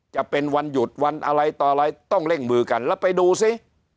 จะเป็นวันหยุดวันอะไรต่ออะไรต้องเร่งมือกันแล้วไปดูซิ